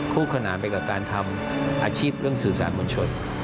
คู่ขนาดไปกับการทำอาชีพเรื่องศึกษามวลชน